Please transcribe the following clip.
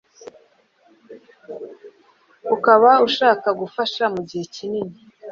ukaba ubasha kugufasha mugihe kinini